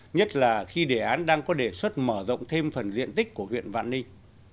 nhất là khi đề án đang có đề xuất mở rộng thêm phần diện tích của huyện vạn ninh